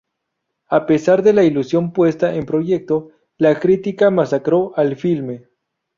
A pesar de la ilusión puesta en proyecto, la crítica masacró al filme.